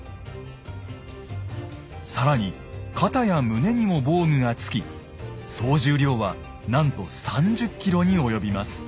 更に肩や胸にも防具がつき総重量はなんと３０ｋｇに及びます。